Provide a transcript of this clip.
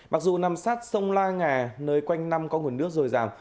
mặc dù nằm sát sông la ngà nơi quanh năm có nguồn nước dồi dào